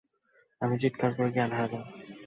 আমি চিৎকার করে জ্ঞান হারালাম।